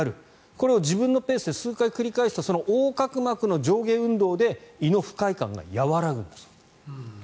これを自分のペースで数回繰り返すと横隔膜の上下運動で胃の不快感が和らぐんだそうです。